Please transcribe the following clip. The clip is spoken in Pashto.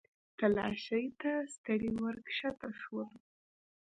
تلاشۍ ته ستړي ورښکته شولو.